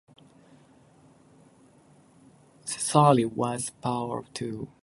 Cesario was a part of two Emmy wins with "Dennis Miller Live".